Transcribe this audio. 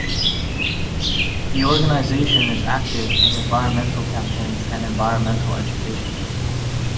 The organisation is active in environmental campaigns and environmental education.